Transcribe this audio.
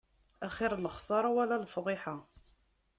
Axiṛ lexsaṛa, wala lefḍiḥa.